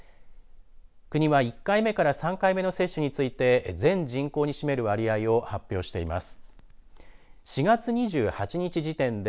国は１回目から３回目の接種について全人口に占める割合を発表しています。